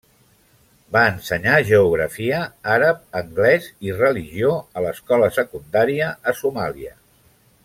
Va ensenyar geografia, àrab, anglès i religió a l'escola secundària a Somàlia.